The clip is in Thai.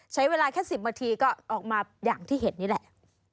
ใช้เวลาแค่๑๐นาทีก็ออกมาอย่างที่เห็นนี่แหละ